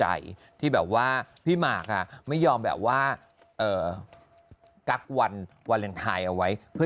ก็มีกว่าพี่มากไม่ยอมแบบว่ากลับวันวาเลนไทยเอาไว้